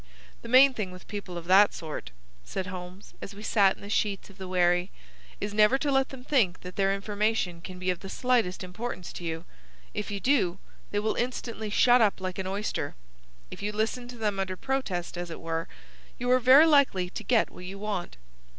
"The main thing with people of that sort," said Holmes, as we sat in the sheets of the wherry, "is never to let them think that their information can be of the slightest importance to you. If you do, they will instantly shut up like an oyster. If you listen to them under protest, as it were, you are very likely to get what you want."